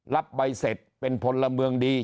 รับใบเสร็จเป็นพลเมืองดี